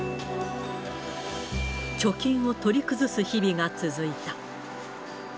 貯金を取り崩す日々が続いた。